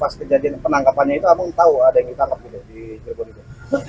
pas penangkapan itu abang tahu ada yang ditangkap gitu di jerbonido